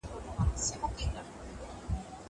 زه پرون کتابتون ته راځم وم!